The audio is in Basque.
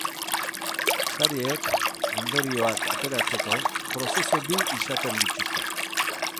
Sareek, ondorioak ateratzeko, prozesu bi izaten dituzte.